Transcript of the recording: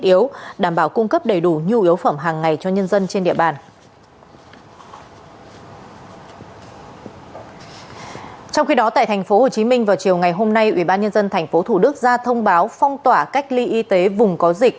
tại tp hcm vào chiều ngày hôm nay ubnd tp thủ đức ra thông báo phong tỏa cách ly y tế vùng có dịch